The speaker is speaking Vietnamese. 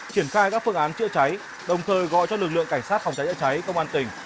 khai các phương án chứa cháy đồng thời gọi cho lực lượng cảnh sát phòng cháy chứa cháy công an tỉnh